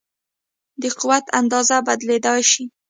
د قوت اندازه بدلېدای شي.